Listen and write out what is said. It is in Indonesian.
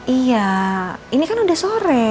iya ini kan udah sore